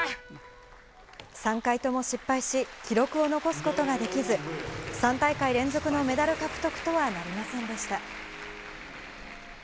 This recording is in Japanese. ３回とも失敗し、記録を残すことができず、３大会連続のメダル獲得とはなりませんでした。